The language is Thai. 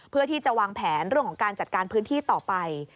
เพื่อที่จะวางแผนเรื่องของการจัดการพื้นที่ต่อไป